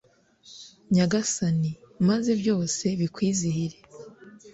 nyagasani; maze byose bikwizihire